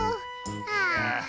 ああ。